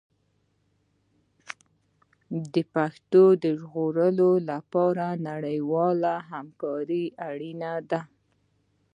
د پښتو د ژغورلو لپاره نړیواله همکاري اړینه ده.